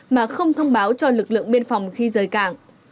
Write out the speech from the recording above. mà không thông báo cho lực lượng biên phòng khi rời cảng